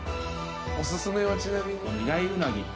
お薦めはちなみに。